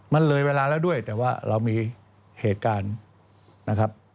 มันเลยเวลาแล้วด้วยแต่ว่าเรามีเหตุการณ์นะครับ